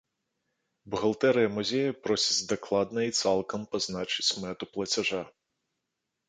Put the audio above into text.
Бухгалтэрыя музея просіць дакладна і цалкам пазначаць мэту плацяжа.